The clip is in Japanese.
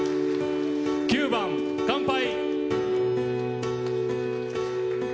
９番「乾杯」。